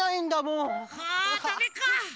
んダメか。